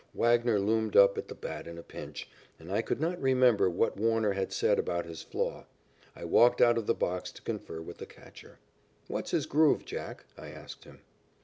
Wagner loomed up at the bat in a pinch, and I could not remember what Warner had said about his flaw. I walked out of the box to confer with the catcher. "What's his 'groove,' Jack?" I asked him.